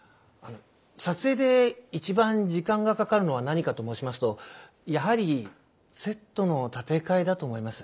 撮影で一番時間がかかるのは何かと申しますとやはりセットの建て替えだと思います。